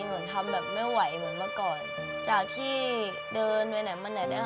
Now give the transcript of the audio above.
เหมือนทำแบบไม่ไหวเหมือนเมื่อก่อนจากที่เดินไปไหนมาไหนได้ค่ะ